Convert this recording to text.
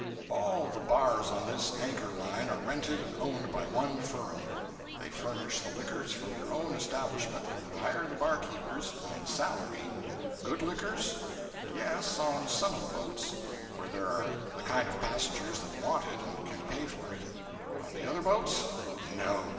All the bars on this Anchor Line are rented and owned by one firm. They furnish the liquors from their own establishment, and hire the barkeepers 'on salary.' Good liquors? Yes, on some of the boats, where there are the kind of passengers that want it and can pay for it. On the other boats? No.